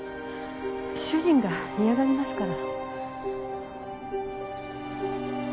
主人が嫌がりますから。